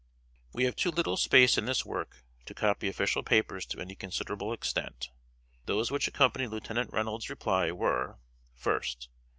We have too little space in this work to copy official papers to any considerable extent. Those which accompanied Lieutenant Reynolds's reply were First.